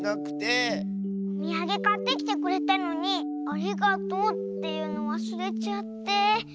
おみやげかってきてくれたのに「ありがとう」っていうのわすれちゃって。